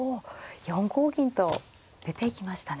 ４五銀と出ていきましたね。